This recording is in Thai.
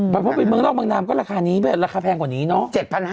เพราะไปเมืองนอกเมืองนามก็ราคานี้ราคาแพงกว่านี้เนาะ